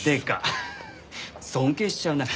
ハハッ尊敬しちゃうな。